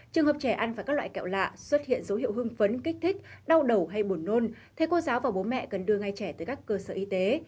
trường hợp trẻ ăn và các loại kẹo lạ xuất hiện dấu hiệu hưng phấn kích thích đau đầu hay buồn nôn thầy cô giáo và bố mẹ cần đưa ngay trẻ tới các cơ sở y tế